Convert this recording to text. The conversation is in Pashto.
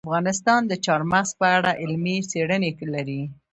افغانستان د چار مغز په اړه علمي څېړنې لري.